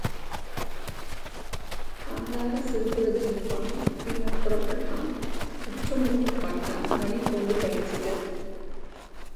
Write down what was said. காலாற சிறுபொழுது நின்றான் பின்னர் புறப்பட்டான் சுற்றுமுற்றும் பார்த்தான் மணிக்கூண்டு பளிச்சிட்டது.